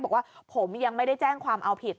บอกว่าผมยังไม่ได้แจ้งความเอาผิด